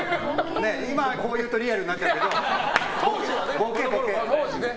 今こう言うとリアルになっちゃうけど。